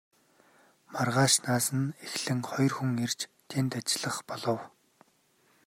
Маргаашаас нь эхлэн хоёр хүн ирж тэнд ажиллах болов.